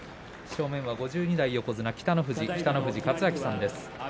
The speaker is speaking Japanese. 正面は５２代横綱北の富士北の富士勝昭さんです。